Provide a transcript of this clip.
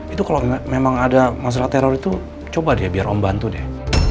itu kalo memang ada masalah teror itu coba deh biar om bantu deh